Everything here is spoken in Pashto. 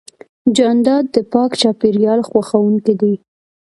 جانداد د پاک چاپېریال خوښوونکی دی.